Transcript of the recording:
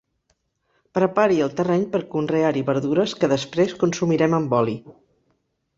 Prepari el terreny per conrear-hi verdures que després consumirem amb oli.